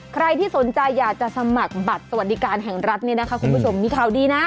ใครที่สนใจอยากจะสมัครบัตรสวัสดิการแห่งรัฐเนี่ยนะคะคุณผู้ชมมีข่าวดีนะ